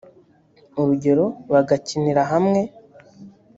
urugero bagakinira hamwe